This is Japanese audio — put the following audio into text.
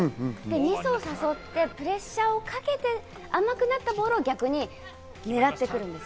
ミスを誘ってプレッシャーをかけて、甘くなったボールを逆に狙ってくるんです。